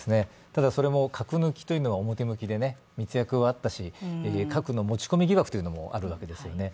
ただそれも核抜きというのは表向きで、密約はあったし、核の持ち込み疑惑もあるわけですよね。